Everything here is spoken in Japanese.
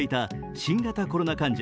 新型コロナ患者